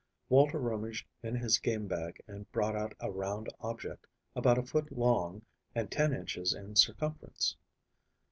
Walter rummaged in his game bag and brought out a round object, about a foot long and ten inches in circumference.